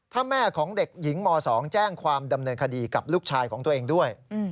ถ้าแม่ของเด็กหญิงม๒แจ้งความดำเนินคดีกับลูกชายของตัวเองด้วย